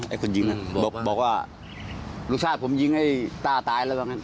ไอ้คนยิงน่ะบอกว่าลูกชาติผมยิงไอ้ต้าตายแล้วบ้าง